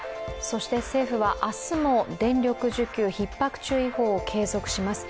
そして政府は明日も電力需給ひっ迫注意報を継続します。